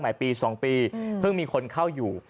ปี๒ปีเพิ่งมีคนเข้าอยู่